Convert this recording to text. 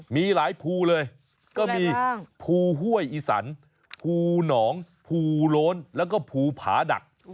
มีหลายภูเลยก็มีภูห้วยอีสันภูหนองภูโล้นแล้วก็ภูผาดัก